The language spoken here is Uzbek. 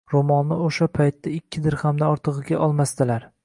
Ro`molni o`sha paytda ikki dirhamdan ortig`iga olmasdilar